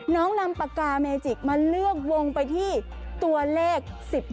นำปากกาเมจิกมาเลือกวงไปที่ตัวเลข๑๒